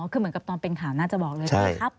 คือเหมือนกับตอนเป็นข่าวน่าจะบอกเลยใช่ไหมครับ